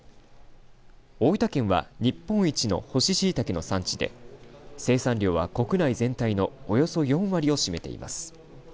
大分県は日本一の乾しいたけの産地で生産量は国内全体のおよそ４割を占めています。